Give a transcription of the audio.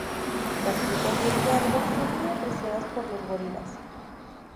Las frutas de este árbol son muy apreciadas por los gorilas.